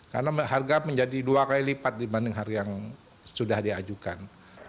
karena harga menjadi dua kali lipat dibanding harga yang sudah diajukan